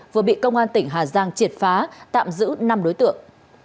vừa bị công an tỉnh hà giang triệt phá tạm giữ năm đối tượng